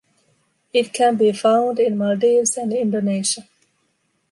It can be found in Maldives and Indonesia.